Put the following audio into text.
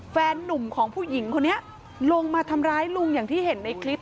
แฟนนุ่มของผู้หญิงคนนี้ลงมาทำร้ายลุงอย่างที่เห็นในคลิป